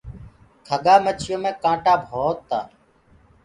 کڳآ مڇيو مي ڪآنٽآ ڀوت تآ۔